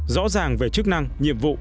rõ ràng về chức năng nhiệm vụ